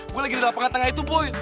gue lagi di lapangan tengah itu boy